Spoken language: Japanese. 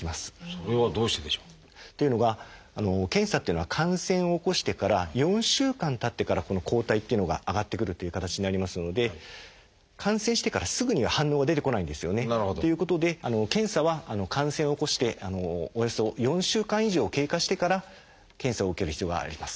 それはどうしてでしょう？というのが検査っていうのは感染を起こしてから４週間たってからこの抗体っていうのが上がってくるという形になりますので感染してからすぐには反応が出てこないんですよね。ということで検査は感染を起こしておよそ４週間以上経過してから検査を受ける必要があります。